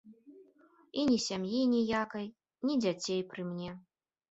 І ні сям'і ніякай, ні дзяцей пры мне.